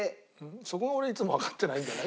そこが俺いつもわかってないんだよな。